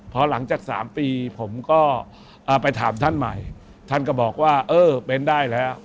พอหลังจาก๓ปีผมก็ไปถามท่านใหม่ท่านก็บอกว่าเออเป็นได้แล้ว